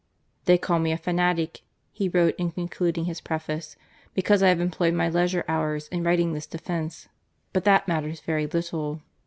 "They call me a fanatic," he wrote in concluding his Preface, " because I have employed my leisure hours in writing this defence, but that matters very little.